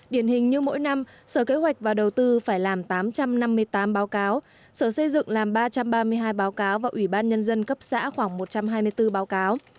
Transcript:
điển hình như mỗi năm sở kế hoạch và đầu tư phải làm tám trăm năm mươi tám báo cáo sở xây dựng làm ba trăm ba mươi hai báo cáo và ủy ban nhân dân cấp xã khoảng một trăm hai mươi bốn báo cáo